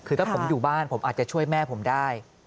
คือถ้าผมอยู่บ้านผมอาจจะช่วยแม่ผมได้